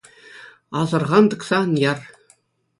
Асӑрхан, тӑкса ан яр.